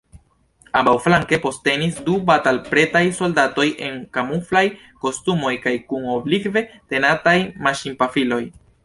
Ambaŭflanke postenis du batalpretaj soldatoj en kamuflaj kostumoj kaj kun oblikve tenataj maŝinpafiloj.